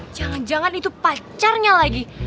jangan jangan itu pacarnya lagi